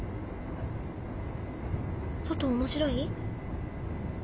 外面白い？